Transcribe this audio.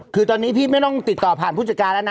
คือตอนนี้พี่ไม่ต้องติดต่อผ่านผู้จัดการแล้วนะ